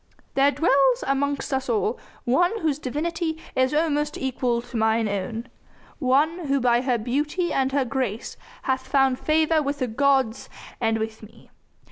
"There dwells amongst us all one whose divinity is almost equal to mine own one who by her beauty and her grace hath found favour with the gods and with me.